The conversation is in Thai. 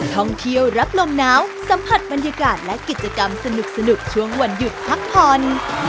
ท่องเที่ยวรับลมหนาวสัมผัสบรรยากาศและกิจกรรมสนุกช่วงวันหยุดพักผ่อน